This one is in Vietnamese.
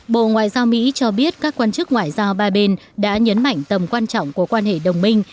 bộ ngoại giao mỹ cho biết các quan chức ngoại giao ba bên đã nhấn mạnh tầm quan trọng của quan hệ đồng minh